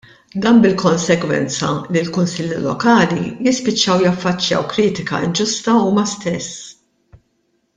Dan bil-konsegwenza li l-Kunsilli Lokali jispiċċaw jaffaċċjaw kritika inġusta huma stess.